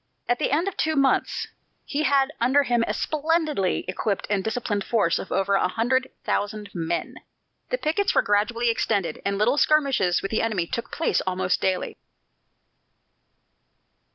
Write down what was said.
At the end of two months, he had under him a splendidly equipped and disciplined force of over a hundred thousand men. The pickets were gradually extended, and little skirmishes with the enemy took place almost daily.